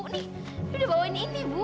dia udah bawain ini bu